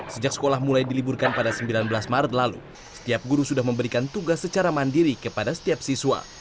sejak sekolah mulai diliburkan pada sembilan belas maret lalu setiap guru sudah memberikan tugas secara mandiri kepada setiap siswa